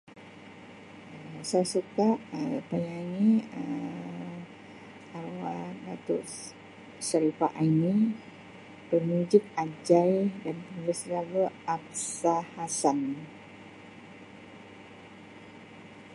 Um Saya suka Um penyanyi Um arwah Datuk Se-Sharifah Aini, pemujik Ajai dan penulis lagu Habsah Hassan.